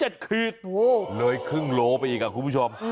เหลือครึ่งโลไปอีกครับคุณผู้ชม